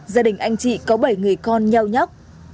gia đình anh chị có bảy người con nhau nhắc